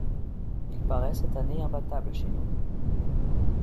Il paraît, cette année, imbattable chez nous.